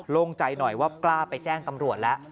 โล่งใจหน่อยว่ากล้าไปแจ้งตำรวจแล้ว